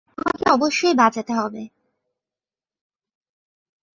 তোমাকে অবশ্যই বাজাতে হবে।